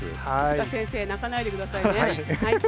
生田先生泣かないでくださいね。